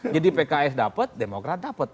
jadi pks dapat demokrat dapat